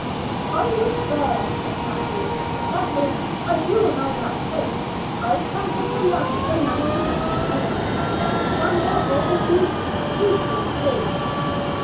"I live there," said Kathleen "that is, I do when I am at home. I come from the land of the mountain and the stream; of the shamrock; of the deep, deep blue sea."